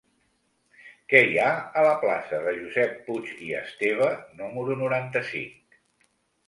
Què hi ha a la plaça de Josep Puig i Esteve número noranta-cinc?